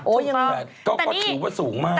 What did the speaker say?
โอ้ยังไงแต่นี่ก็คิดว่าสูงมาก